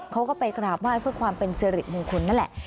เขาก็ไปกราบไหว้เพื่อความเป็นสิริมงคลนั่นแหละ